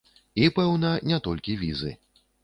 І, пэўна, не толькі візы.